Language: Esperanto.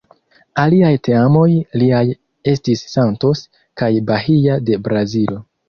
Aliaj teamoj liaj estis Santos kaj Bahia de Brazilo.